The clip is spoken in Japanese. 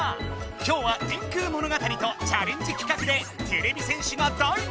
今日は電空物語とチャレンジ企画でてれび戦士が大活やく！